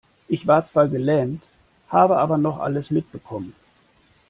Ich war zwar gelähmt, habe aber noch alles mitbekommen.